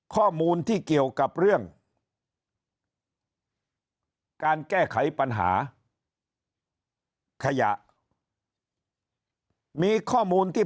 ข้อมูลที่เกี่ยวกับเรื่องการแก้ไขปัญหาขยะมีข้อมูลที่